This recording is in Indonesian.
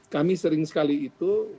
kami sering sekali itu